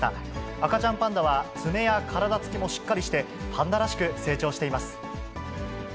赤ちゃんパンダは、爪や体つきもしっかりして、パンダらしく成長しています。